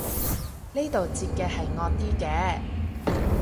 呢度截嘅係惡啲嘅